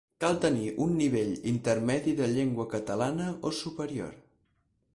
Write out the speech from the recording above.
Cal tenir un nivell intermedi de llengua catalana o superior.